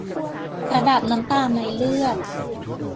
ระดับน้ำตาลในเลือด